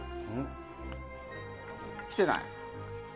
来てない？